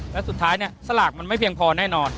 แล้วสุดท้ายเนี่ยสลากมันไม่เพียงพอแน่นอน